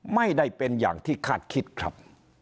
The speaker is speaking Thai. ไม่ได้เป็นอย่างที่คาดคิดครับ